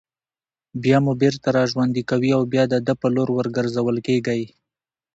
بيا مو بېرته راژوندي كوي او بيا د ده په لور ورگرځول كېږئ